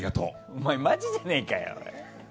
お前、マジじゃねえかよ！